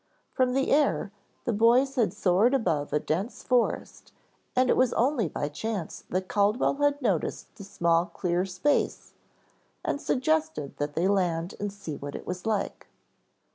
From the air the boys had soared above a dense forest and it was only by chance that Caldwell had noticed the small clear space and suggested that they land and see what it was like.